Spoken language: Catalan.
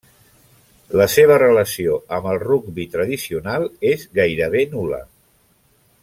La seva relació amb el rugbi tradicional és gairebé nul·la.